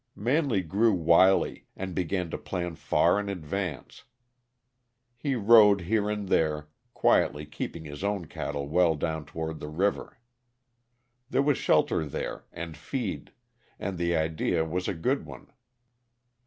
Manley grew wily, and began to plan far in advance. He rode here and there, quietly keeping his own cattle well down toward the river. There was shelter there, and feed, and the idea was a good one.